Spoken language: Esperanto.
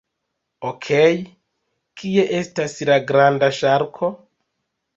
Okej, kie estas la granda ŝarko?